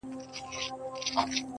زړونه نسته په سینو کي د شاهانو-